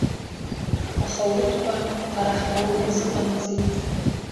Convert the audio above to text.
Аха урҭқәа ҳара ҳгәы рзыҟамҵеит.